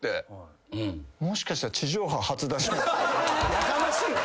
やかましいわ。